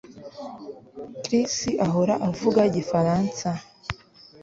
Chris ahora avuga igifaransa